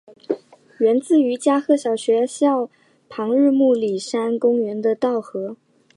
源自于加贺小学校旁日暮里山公园的稻荷。